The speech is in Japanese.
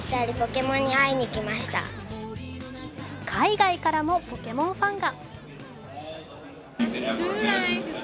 海外からもポケモンファンが。